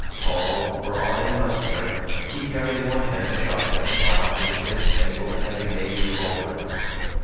Tall, broad, and muscular, he carried in one hand a shotgun, while from his hip dangled a heavy navy revolver.